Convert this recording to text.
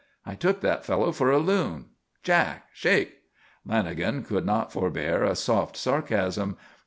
I took that fellow for a loon. Jack, shake." Lanagan could not forbear a soft sarcasm.